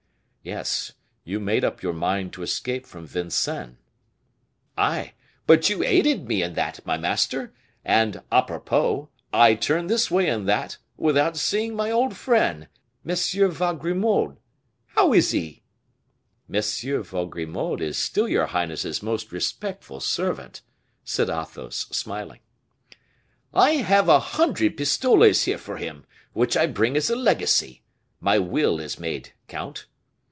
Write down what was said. "Yes, you made up your mind to escape from Vincennes." "Ay, but you aided me in that, my master; and, a propos, I turn this way and that, without seeing my old friend, M. Vaugrimaud. How is he?" "M. Vaugrimaud is still your highness's most respectful servant," said Athos, smiling. "I have a hundred pistoles here for him, which I bring as a legacy. My will is made, count."